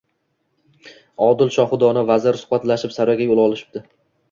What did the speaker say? Odil shohu dono vazir suhbatlashib, saroyga yo‘l olishibdi…